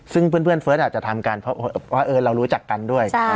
ซึ่งเพื่อนเฟิร์สอาจจะทำกันเพราะว่าเรารู้จักกันด้วย